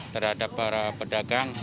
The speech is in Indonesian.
terhadap para pedagang